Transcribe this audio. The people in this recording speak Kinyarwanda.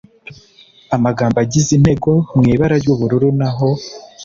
Amagambo agize intego mu ibara ry ubururu naho